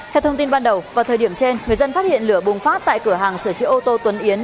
theo thông tin ban đầu vào thời điểm trên người dân phát hiện lửa bùng phát tại cửa hàng sửa chữa ô tô tuấn yến